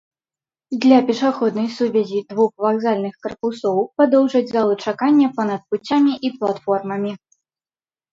Для пешаходнай сувязі двух вакзальных карпусоў падоўжаць залу чакання па-над пуцямі і платформамі.